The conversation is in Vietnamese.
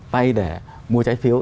vay để mua trái phiếu